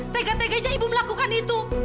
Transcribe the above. tegak tegaknya ibu melakukan itu